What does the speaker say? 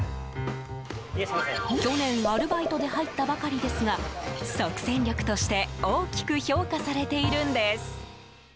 去年アルバイトで入ったばかりですが即戦力として大きく評価されているんです。